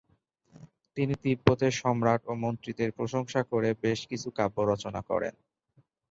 তিনি তিব্বতের সম্রাট ও মন্ত্রীদের প্রশংসা করে বেশ কিছু কাব্য রচনা করেন।